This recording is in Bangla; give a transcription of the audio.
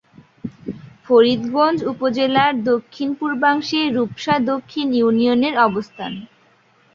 ফরিদগঞ্জ উপজেলার দক্ষিণ-পূর্বাংশে রূপসা দক্ষিণ ইউনিয়নের অবস্থান।